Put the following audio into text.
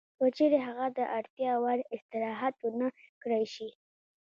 که چېرې هغه د اړتیا وړ استراحت ونه کړای شي